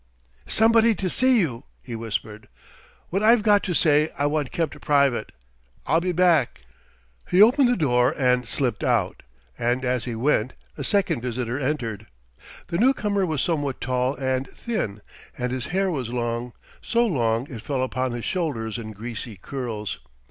"Somebody to see you," he whispered. "What I've got to say I want kept private. I'll be back." He opened the door and slipped out, and as he went a second visitor entered. The newcomer was somewhat tall and thin, and his hair was long, so long it fell upon his shoulders in greasy curls.